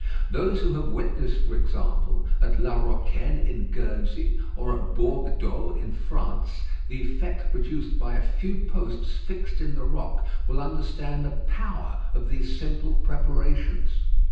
Those who have witnessed, for example, at La Rocquaine in Guernsey, or at Bourg d'Eau in France, the effect produced by a few posts fixed in the rock, will understand the power of these simple preparations.